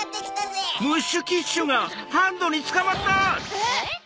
えっ？